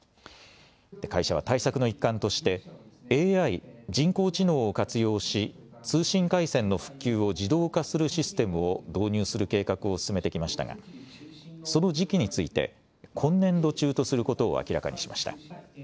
会社は対策の一環としてＡＩ・人工知能を活用し通信回線の復旧を自動化するシステムを導入する計画を進めてきましたがその時期について今年度中とすることを明らかにしました。